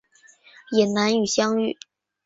也难以相遇